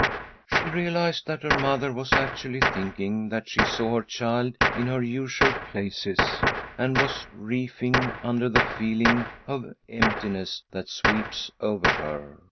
She realised that her mother was actually thinking that she saw her child in her usual places, and was reefing under the feeling of emptiness that sweeps over her.